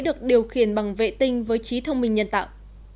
được điều khiển bằng vệ tinh với trí thông minh nhân tạo